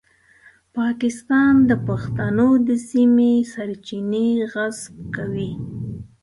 پاکستان د پښتنو د سیمې سرچینې غصب کوي.